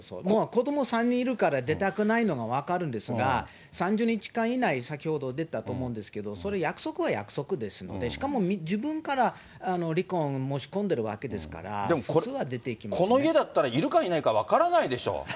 子ども３人いるから出たくないのは分かるんですが、３０日間以内、先ほど出たと思うんですけど、それ、約束は約束ですので、しかも自分から離婚申し込んでるわけですから、普通は出ていきまこの家だったらいるかいないか分からないでしょ。